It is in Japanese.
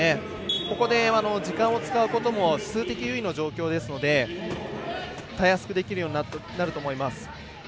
ここで、時間を使うことも数的優位の状況ですのでたやすくできるようになると思います。